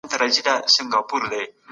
سړی احساس کوي چي بايد قرباني ورکړي.